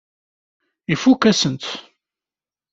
Ifakk-asen-tt.